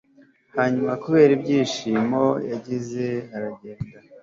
Hanyuma kubera ibyishimo yagize aragenda